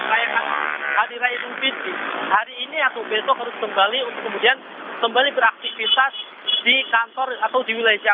seperti adira ibu binti hari ini atau besok harus kembali beraktivitas di kantor atau di wilayah